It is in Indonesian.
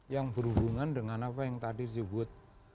yang berhubungan dengan apa yang tadi disebut